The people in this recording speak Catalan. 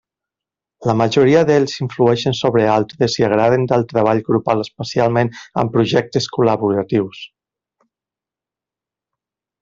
La majoria d'ells influeixen sobre altres i agraden del treball grupal especialment en projectes col·laboratius.